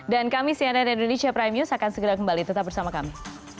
dan kami cnn indonesia prime news akan segera kembali tetap bersama kami